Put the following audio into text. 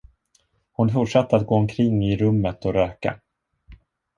Hon fortsatte att gå omkring i rummet och röka.